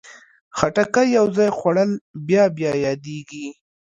خټکی یو ځل خوړل بیا بیا یادېږي.